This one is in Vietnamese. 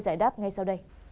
giải đáp ngay sau đây